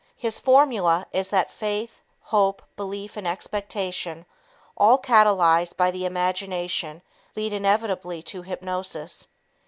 His formula is that faith, hope, belief and expectation, all catalyzed by the imagination, lead inevitably to hypnosis.